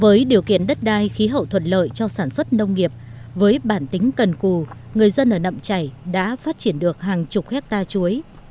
với điều kiện đất đai khí hậu thuận lợi cho sản xuất nông nghiệp với bản tính cần cù người dân ở nậm chảy đã phát triển được hàng chục hectare chuối